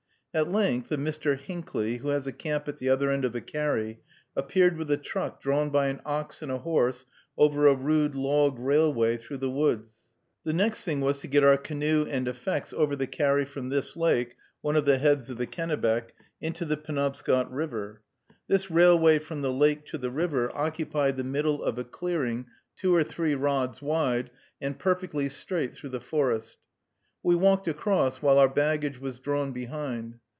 At length a Mr. Hinckley, who has a camp at the other end of the "carry," appeared with a truck drawn by an ox and a horse over a rude log railway through the woods. The next thing was to get our canoe and effects over the carry from this lake, one of the heads of the Kennebec, into the Penobscot River. This railway from the lake to the river occupied the middle of a clearing two or three rods wide and perfectly straight through the forest. We walked across while our baggage was drawn behind.